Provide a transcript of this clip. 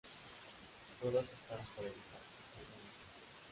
Todas optaron por el estatuto único.